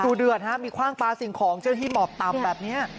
เดือดฮะมีคว่างปลาสิ่งของเจ้าหน้าที่หมอบต่ำแบบนี้